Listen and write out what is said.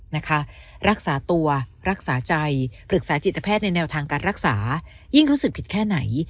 นะคะรักษาตัวรักษาใจปรึกษาจิตแพทย์ในแนวทางการรักษายิ่งรู้สึกผิดแค่ไหน